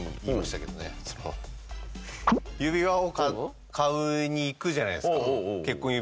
指輪を買いに行くじゃないですか結婚指輪を。